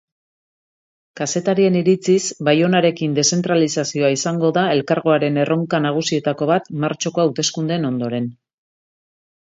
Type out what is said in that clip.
Kazetarien iritziz baionarekin deszentralizazioa izango da elkargoaren erronka nagusietako bat martxoko hauteskundeen ondoren.